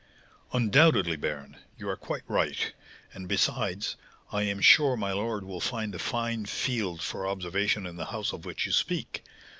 "Undoubtedly, baron; you are quite right; and, besides, I am sure my lord will find a fine field for observation in the house of which you speak.